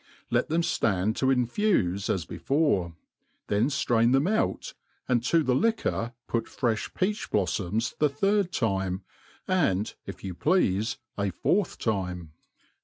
JLet^ them, (land to jnfufe as before, then ftrain them ou;, and to the lic^uor put frefli peach bloffoms the third time, and, if you pleafe, a fourth time.